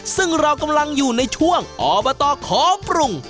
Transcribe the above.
ซึ่งเรากำลังอยู่ในช่วงอบตขอปรุง